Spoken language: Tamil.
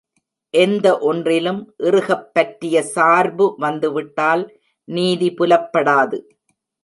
எந்த ஒன்றிலும் இறுகப் பற்றிய சார்பு வந்துவிட்டால் நீதி புலப்படாது.